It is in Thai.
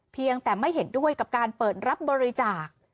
เพียงแต่ไม่เห็นด้วยกับการเปิดรับบริจาค